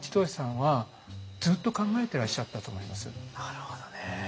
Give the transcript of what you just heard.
なるほどね。